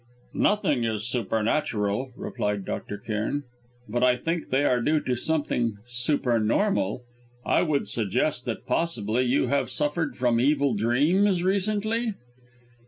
"Nothing is supernatural," replied Dr. Cairn; "but I think they are due to something supernormal. I would suggest that possibly you have suffered from evil dreams recently?"